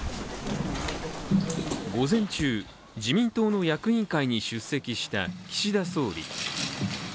午前中、自民党の役員会に出席した岸田総理。